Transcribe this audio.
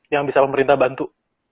yang bisa pemerintah bantu